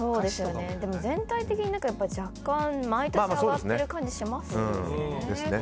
でも全体的に若干毎年上がっている感じしますよね。